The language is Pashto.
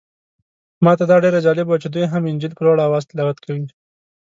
ماته دا ډېر جالبه و چې دوی هم انجیل په لوړ اواز تلاوت کوي.